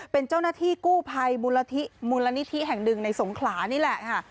เป็นเจ้าหน้าที่กู้ภัยมูลนิธิแห่งหนึ่งในสงขลานี่แหละค่ะ